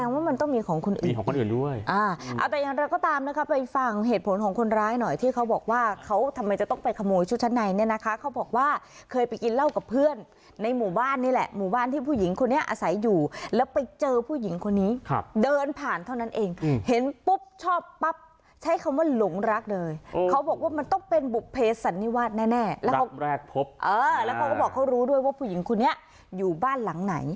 แสดงว่ามันต้องมีของคนอื่นมีของคนอื่นด้วยอ่าแต่อย่างนั้นก็ตามนะคะไปฟังเหตุผลของคนร้ายหน่อยที่เขาบอกว่าเขาทำไมจะต้องไปขโมยชุดชั้นในเนี่ยนะคะเขาบอกว่าเคยไปกินเหล้ากับเพื่อนในหมู่บ้านนี่แหละหมู่บ้านที่ผู้หญิงคนนี้อาศัยอยู่แล้วไปเจอผู้หญิงคนนี้ครับเดินผ่านเท่านั้นเองเห็นปุ๊บชอบปั๊บใช้คำว่าหล